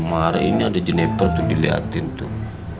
mari ini ada jeneper tuh diliatin tuh